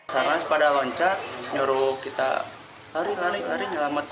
saran pada loncat nyuruh kita lari lari